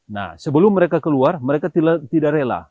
nah sebelum mereka keluar mereka tidak rela